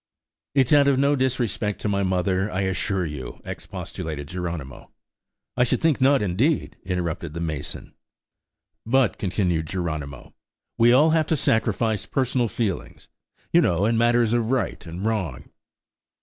"It's out of no disrespect to my mother, I assure you," expostulated Geronimo. "I should think not, indeed!" interrupted the mason. "But," continued Geronimo, "we have all to sacrifice personal feelings, you know, in matters of right and wrong."